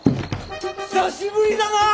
久しぶりだな！